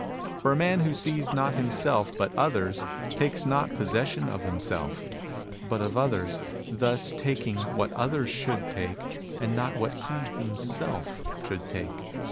For a man who sees not himself, but others, takes not possession of himself, but of others, thus taking what others should take and not what he himself should take.